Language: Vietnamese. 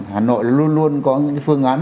hà nội luôn luôn có những cái phương án